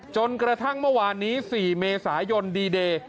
จนกระทั่งเมื่อวานนี้๔เมษายนดีเดย์